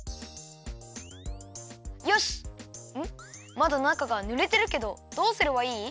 まだ中がぬれてるけどどうすればいい？